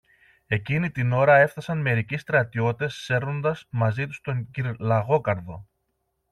Εκείνη την ώρα έφθασαν μερικοί στρατιώτες σέρνοντας μαζί τους τον κυρ-Λαγόκαρδο.